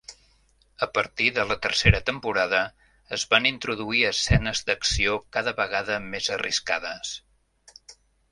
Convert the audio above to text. A partir de la tercera temporada, es van introduir escenes d'acció cada vegada més arriscades.